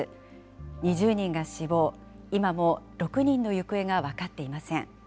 ２０人が死亡、今も６人の行方が分かっていません。